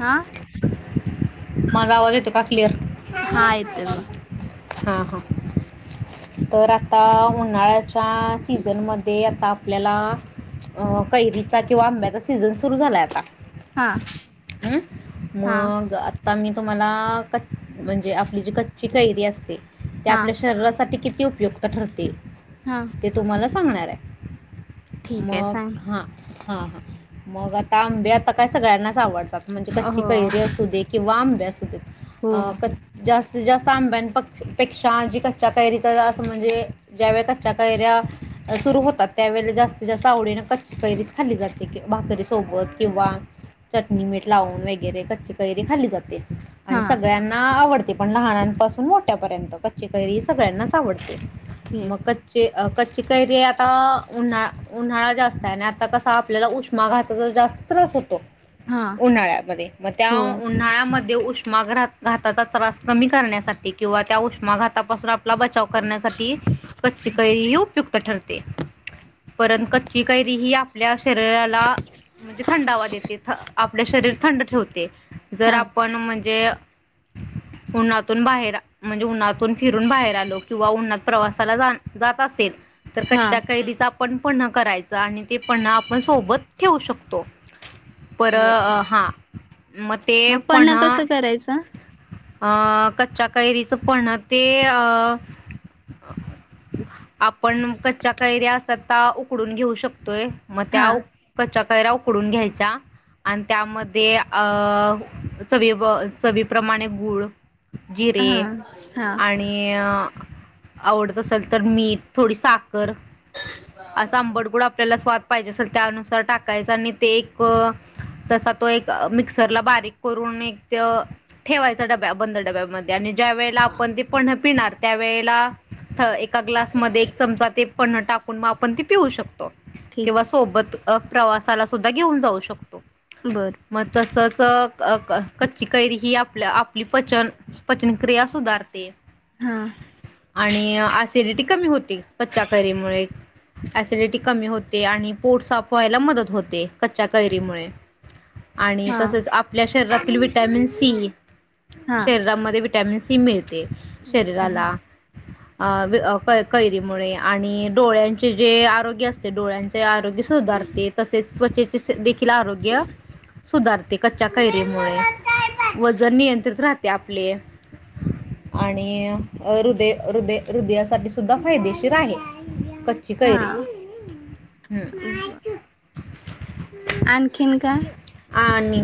हा माझा आवाज येतो का क्लिअर? हा येतोय ब हा हा तर आता उन्हाळ्याच त्रास सीझनमध्ये आता आपल्याला कैरीचा किंवा आंब्याचा सीझन सुरू झालाय आता, हा हम् हा मग आता आम्ही तुम्हाला कच म्हणजे आपली जी कच्ची कैरी असते. ते हा आपल्या शरीरासाठी किती? की उपयुक्त ठरते. हा ते तुम्हालाचं, चांगला आलाय. ठीक आहे मग, सांग हा हा हा मग आता आंबे आता, काय सगळ्यांनाच आवडता. म्हणजे कच्ची हो कैरी असू दे. कि आंबे असू [unintelligible] हो अ.. हो क जा जास्त आंब्यांन प पेक्षा जी कच्च्या कैरीचा असं म्हणजे, ज्यावेळे कच्च्या कैऱ्या सुरू होतात. त्यावेळेला जास्त जास्त आवडीनं कच्ची कैरी खाल्ली जाते की, भाकरीसोबत किंवा चट नी मीठ लावून वगैरे कच्ची कैरी खाल्ली जाते. आणि हा सगळ्यांना आवड पण लहानांपासून मोठ्यापर्यंत कच्ची कैरी सगळ्यांनाच आवडते. ठीक मग कच्चे अ कच्चे कैरी आता उन्हा उन्हाळा जास्त आहे ना, आता कसा आपल्याला उष्मा घात जास्त त्रास होतो. हा उन्हाळ्यामध्ये मग त्या हो उन्हाळ्यामध्ये ऊ उष्माग्रात घाताचा त्रास कमी, करण्यासाठी किंवा त्या उष्घातापासून आपल्य आपला बचाव करण्यासाठी कच्ची कैरी ही उपयुक्त ठरते. परत कच्ची कैरी ही आपल्या शरीराला म्हणजे थंडावा देते थ आपले शरीर थंड ठेवते. जर हा आपण म्हणजे, उन्हातून बाहेर अ म्हणजे, उन्हातून फिरून बाहेर आलो किंवा उन्हात प्रवासाला जाण जात असेल. तर हा कच्या कैरिचा पण पन्ह करायचं आणि ते पण आपण सोबत ठेवू शकतो. पर बर हां.. मग ते पन्ह अ कच्च्या कैरीचं पन्ह ते अ.. अ आपण कच्च्या कैऱ्या अ तत्ता उकडून घेऊ शकतोय, मग हा त्या कच्या कैऱ्या उकडून घ्यायचा. आणि त्यामध्ये अ.. चवी व चवीप्रमाणे गुळ, हा जिरे हा आणि अ आवडत असल तर मीठ थोडी साख कर असा आंबडगोड आपल्याला स्वा पाहिजे असेल त्यानुसार टाकायचं आणि ते एक तसा तो एक अ मिक्सरला बारीक करून मित्य ठेवायचा डब्या बंद डब्यामध आणि ज्या वेळेला आपण ते पन्ह पिणार त्या वेळेला थ् एका ग्लासमध्ये एक चमचा ते पन्ह टाकून म आपणते पिऊ शक तो ठीक किंवा सोबत अ प्रवासाला सुद्धा घेऊन जाऊ शक बर म तस च्च क्अ क्अ कच्ची कैरी ही आपल्या आपली पचन पचनक्रिया सुधारते हा आणि आस सीलीटी कमी होती. कच्च्या कैरीमुळे एसिडिटी कमी होती आणि पोट साफ व्हायला मदत होते. कच्च्या कैरीमुळे. आणि हा तसेच आपल्या शररातील व्हिटॅमिन सीइ हा शरीरामध्ये व्हिट टॅमिन सी मिळ ते शरीराला आ विअ कै कैरीमुळे आणि डोळ्यांचे जे आरोग्य असते डोळ्यांचे आरोग्य सुधारते तसेच त्वचेचेचे देखील आरोग किया सुधारते कच्च्या कैरीमुळे वजन नियंत्रित राहते आपले आणि अ हृदय हृदय हृदयासाठी सुध सुद्धा फायदेशीर आहे कच्ची कैरी हा हम्म. आणखी [unintelligible] का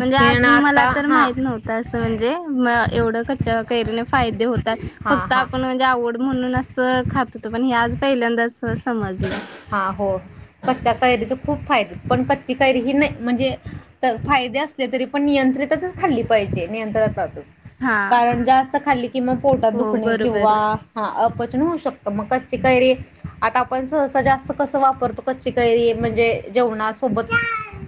म्हंजे अजून आता मलातर हा माहित नव्हत असं म्हंजे म एवढं कच्च्या कैरीने फायदे होतात हा फक्त हा आपण म्हंजे आवड म्हणून अस अ खात होतो पण हे आज पहिल्यांदाच समजलं. हां हो. कच्च्या कैरीचे खूप फायदे पण कच्ची कैरी ही ने म्हंजे त फायदे असले तरीपण नियंत्रिततच खाल्ली पाहिजे नियंत्रतात. हा कारण जास्त खाल्ली कि म पोटात हो दुखणे बरोबर किंवा आहे. हां अप पचन हुऊ शकतं मग कच्ची कैरी आता आपण सहसा जास्त कसं वापरतो कच्ची कैरी म्हंजे जेवणासोबत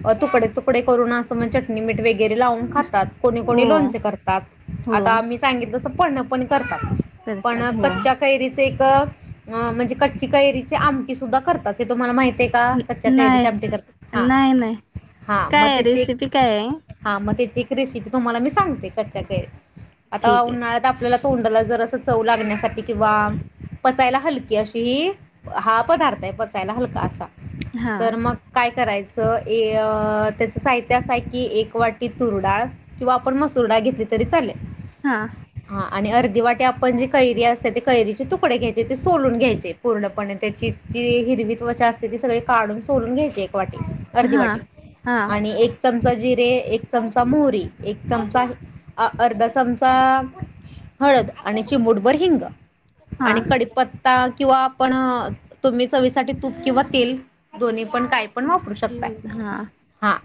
अ तुकडे तुक डे करून असम चटणी मीठ वेग गेरे लाउन खातात कोणी हो कोणी लोणचे करतात हो आता आम्ही सांगितल पन्ह पण करतात. पण करतात हो कच्च्या कैरीच एक तर अं म्हंजे कच्ची कैरीची आमटी सुद्धा करतात हे तुम्हाला माहित तेका न- कच्च्या कैरीची आमटी करतात हां. कायाय रेसिपी कायाय? म तेची एक रेसिपी तुम्हाला मी सांगते कच्च्या कै आता ठीक आहे उन्हाळ्यात आपल तोंडाला जरासं चव लागण्यासाठी किंवा पचायला हलकी अशी ही हा पदार्थ आहे. पचायला हलका असा. हा तर मग काय? करायचं ए अ अ त्याचा साहित्य असं आहे की एक वाटी तुरडाळ किंवा आपण मसुरडाळ घेतली तरी चालेल. हां. हा आणि अर्धी वाटी आपण जी कैरी असते ते कैरीचे तुकडे घ्यायचे ते सोलून घ्यायचे पूर्णपणे त्याची जी हिरवी त्वचा असते ती सगळी काढून सोलून घ्यायचीय. वाटी अर्धी हा वाटी हा आणि एक च चमचा जिरे, एक चमचा मोहरी, एक चमचा अर्धा चमचा हळद आणि चिमुूटभर हिंग हा आणि कडीपत्ता किंवा आपण हां तुम्ही चवीसाठी तूप किंवा तेल दोन्ही आपण काय पण वापरू शकताय. यूज हा हां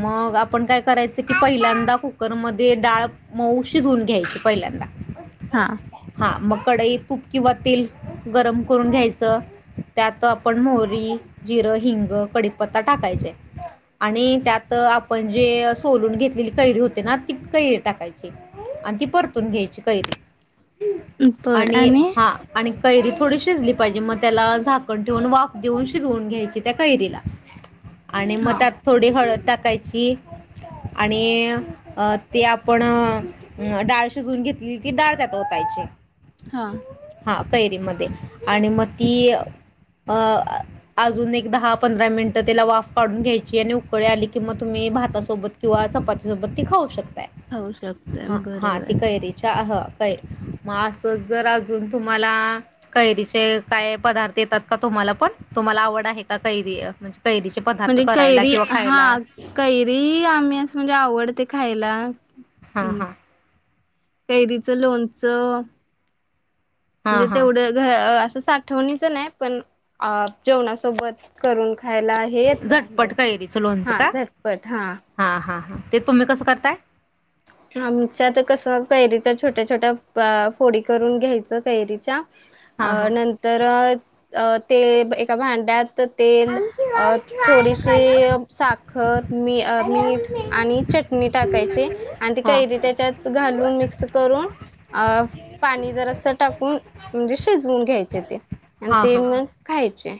मग आपण काय करायचं की पहिल्यांदा कुकरमध्ये डाळ मऊ शिजवून घ्यायची पहिल्यांदा हा हां मग कडई तूप किंवा तेल गरम करून घ्यायचं त्यात आपण मोहरी, जिरं, हिंग, कडीपत्ता टाकायचे आणि त्यातं आपण जे सोलून घेतलेली कैरी होती ना ती कैरी टाकायची आणि ती परतून घ्यायची कैरी आणि हा आणि कैरी थोडी शिजली पाहिजे मग त्याला झाकण ठेवून वाफ देऊन शिजवून घ्यायची त्या कैरीला आणि मग हा त्यात हळद टाकायची आणि ते आपण डाळ शिजून घेतली ती डाळ त्यात ओतायची. हां. कैरी मध्ये आणि मग ती अ अजून एक दहा पंधरा मिनटं त्याला वाफ काढून घ्याय ची त्याने उकळी आली की मग तुम्ही भातासोबत किंवा चपातीसोबत ती खाऊ शक ताय, खाऊ शकतोय हां हां बरोबर ती कैरीच्या अहं कै मग असं जरा अजून तुम्हाला कैरीचे काय पदार्थ येतात का तुम्हाला पण तुम्हाला आवड आहे का कैरी म्हणजे कैरीचे पदार्थ म्हणजे करायला कैरी किंवा खायला हां कैरी आम्ही असं म्हणजे आव डते खायला. हां अं, हां. कैरीचं लोणचं हां म्हणजे हां तेवढं घ असं साठवणीचा नाय पण आ जेवणासोबत करून खायला हे येतं झटपट कैरीचं लोणचं हां का झटपट हां. हां हां ते तुम्ही कसं करताय? आमच्यात कसं कैरीच्या छोट्या-छोट्या पा फोडी करून घ्यायचं कैरीच्या हां अ हां नंतर अ ते एका भांड्यात त तेल अ थोडीशी साखर, मी आ हां मीठ आणि चटणी टाकायचे. आन ती हां हां कैरी त्याच्यात घालून मिक्स करून अ पाणी जरासं टाकून म्हणजे शिजवून घ्याय घ्यायचं ते आणि ते मग खायचे.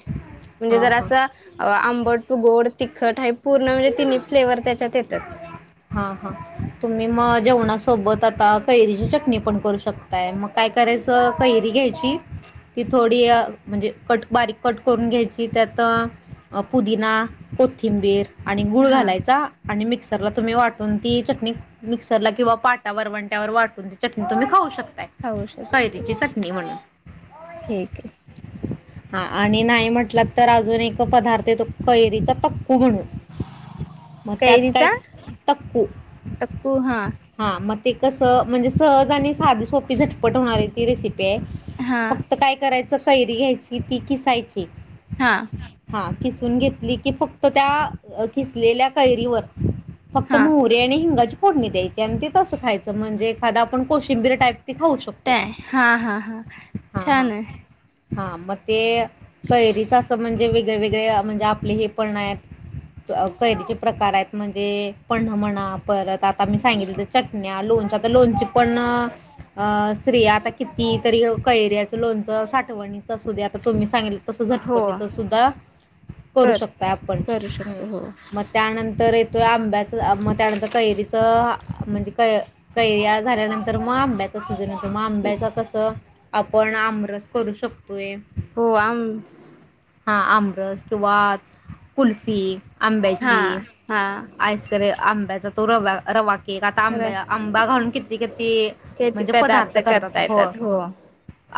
म्हणजे हां जरा हां असं अ आं ट, गोड, तिखट हाई पूर्ण म्हणजे तिन्ही फ्लेवर त्याच्यात येत्यात. हां हां तुम्ही मग जेवणासोबत आता कैरीची चटणी पण करू शकताय, मग काय करायचं कैरी घ्यायची, ती थोडी म्हणजे कट बारीक कट करून घ्यायची, त्यात पुदिना, कोथिंबीर आणि गुळ हां घालायचा आणि मिक्स ्रला तुम्ही वाटून ती चटणी मिक्सरला किंवा पाटावरवंट्यावर वाटून ती चटणी तुम्ही खाऊ शकता. खाऊ शकतो कैरीची ते. चटणी म्हणून. ठीक आहे हा आणि नाही म्हटलंत तर अजून एक पदार्थ येतो कैरीचा पक्कू म्हणून, मग त्यात काय कैरीचा तक्कू, टक्कू हा हा मग ते कसं म्हणजे सहज आणि साधी सोपी झटपट होणारी ती रेसिपी पी, हा फक्त काय करायचं कैरी घ्यायची, ती किसाय हा [unintelligible] हा किसून घेतली की, फक्त त्या किसलेल्या कैरीवर फक्त हा मोहरी आणी हिंगाची फोडणी द्यायची आणि ते तस खायचं म्हणजे एखाद आपण कोशिंबीर टाईप ती खाऊ शकतोय ते हा हा हा छानय. हा मग ते कैरीचं असं म्हणजे वेग वेगळे म्हणजे आपले हे पनायत कैरीचे प्रकार आहेत. म्हणजे पन्ह म्हणा, परत आता मी सांगितलं, चटण्या- लोणचे, आता लोणची पण अ अ स्त्रिया आता किती तरी कैऱ्याच लोणचं साठवूण असु द्या, तुम्ही सांगीतल तस हो झटपटीच सुद्धा, करू कर शकतोय आपण. करू हम शकते हो मग त्यानंतर तो आंब्याचं, मग त्यानंतर कैरीचं, म्हणजे क कैऱ्या झाल्यानंतर मग आंब्याचं सीजन येतो. म आंब्याचं कसं आपण आमरस करू शकतोय. हो आम हा आमरस किंवा कुल्फी, हा आंब्याची, हा आईसकर आंब्या तो रव्या रवा एक आता खरं आंब्या आंबा घालून किती किती किती म्हणजे पदार्थ करतात. करता हो. येतात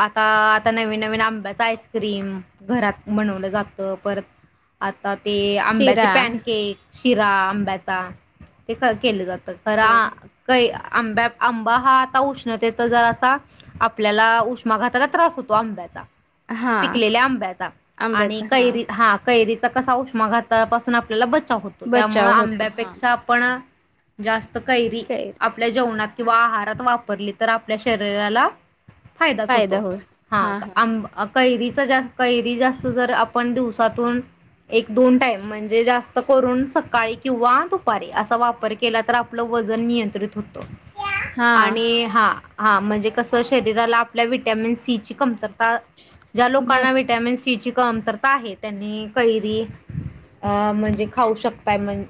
आता आता नवीन नवीन आंब्याच आईस्क्रीम घरात बनवलं जातं. परत आत आता ते अंब्याचे शिरा पॅनकेक, शिरा आंब्याचा ते क केले जातं. त खरा काही आंब्यात आंबा हा आता उष्णतेेत जरासा आपल्याला उष्मा घाताचा त्रास होतो आंब्याचा. हा पिकलेल्या आंब्याचा आणि कैरी हा, कैरी तर कसा उष्मघातापासून आप [unintelligible] चाव होतो. त्यामुळे बचाव होतो हा आंब्यापेक्षा आपण जास्त त कैरी काही आपल्या जेवणात किंवा आहारात वापरली तर, आपल्या शरीराला फायदाच होतो. हा आंब कैरी कैरी जास्त जर आपण दिवसातून एक दोन टाइम म्हणजे जास्त करून सकाळी किंवा दुपारी. असा वापर केला तर, आपलं वजन नियंत्रित होतो. हा आणि हा हा म्हणजे कसं शरीराला आपल्या वि्हटॅमिन सी ची कमतरता ता ज्या लोकांना बस विटामिन सी ची कमतरता आहे, त्यांनी कैरी, अ म्हणजे खाऊ शकताय. म्हण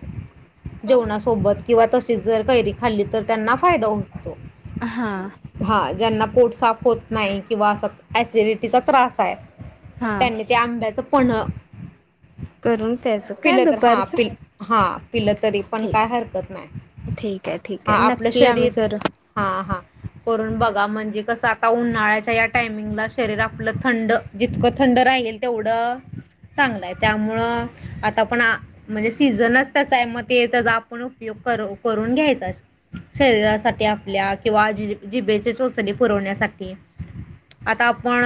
जेवणासोबत किंवा तशीच जर कैरी खाल्ली तर त्यांना फायदा होतो. हा हा ज्यांना पोट साफ होत नाही किंवा असा एसिडिटीचा त्रास आहे, हा त्यांनी त्या आंब्याच पन्ह करून प्यायचं काय पिलं तर हा पि दुपारचं हा पिलं तरी पण ठीक काय हरकत नाही. ठीक आहे ठीक हा आहे आपलं नक्की आम्ही शरीर, करू हां हां करून बघा. म्हणजे कसं आता उन्हाळ्याच्या या टायमिंगला शरीर आपलं थंड जितकं थंड राहील तेवढं चांगलंय. त्यामुळं पण म्हणजे सीझनच त्याचा आहे म ते त्याचा आपण उपयोग कर करून घ्यायचा, शरीरासाठी आपल्या किंवा जिबेचे चोचले पुरवण्यासाठी. आता आपण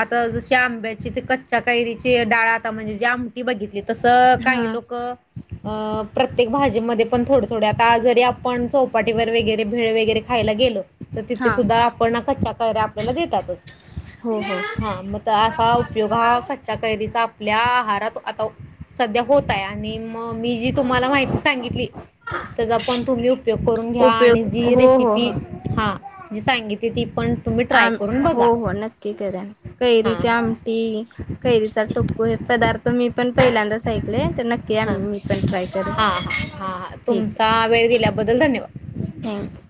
आता जशी आंब्याची ते कच्च्या कैरीची डाळ आता म्हणजे जी आमटी बघितली तसं हा काही लोकं अं प्रत्येक भाजीमध्ये पण थोडे-थोडे, आता जरी आपण चौपाटीवर वेगेरे भेळ वेगेरे खायला गेलो तर तिथे हा सुद्धा आपण कच्च्या कैरी्या आपल्याला देतातच. हो हो हा, मग असा उपयोग हा कच्च्या कैरीचा आपल्या आहार उन्हात आता सध्या होत हाय आणि मग मी जी तुम्हाला माहिती सांगितली त्याचापण तुम्ही उपयोग करून घ्या आणि उपयोग जी हो हो रेसिपी हो हा जी सांगिती ती पण तुम्ही ट्राय आम करून हो बघा हो नक्की करेन. हां कैरीची हां आमटी, कैरीचा टोपको हे पदार्थ मीपण पहिल्यांद दाच ऐकलंय, तर नक्की हां आम्ही मीपण ट्राय करेन. हां हां हां हां ठीक आहे, तुमचा वेळ दिल्याबद्दल धन्यवाद थँक्यू.